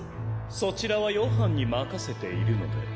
そちらはヨハンに任せているので。